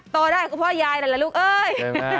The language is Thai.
โตได้ก็เพราะยายล่ะลูกเอ้ย